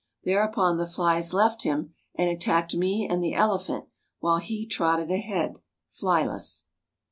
Thereupon, the flies left him, and attacked me and the elephant, while he trotted ahead, flyless.